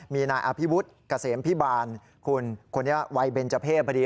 มีนายอภิวุฒิเกษมพิบาลคุณคนนี้วัยเบนเจอร์เพศพอดี